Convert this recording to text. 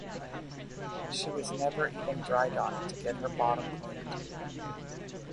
She was never even drydocked to get her bottom cleaned.